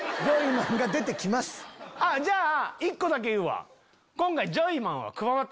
じゃあ１個だけ言うわ。